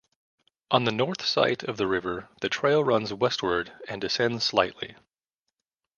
On the north site of the river the trail turns westward and descends slightly.